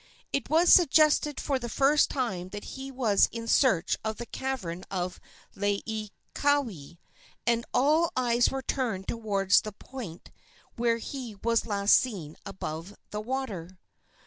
It was suggested for the first time that he was in search of the cavern of Laieikawai, and all eyes were turned toward the point where he was last seen above the water.